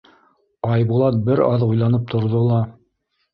Айбулат бер аҙ уйланып торҙо ла: